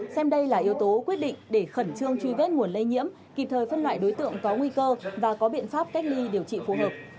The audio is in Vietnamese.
xem đây là yếu tố quyết định để khẩn trương truy vết nguồn lây nhiễm kịp thời phân loại đối tượng có nguy cơ và có biện pháp cách ly điều trị phù hợp